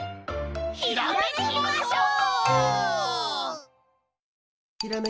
ひらめきましょう！